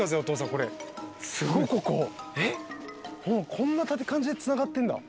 こんな感じでつながってるんだ。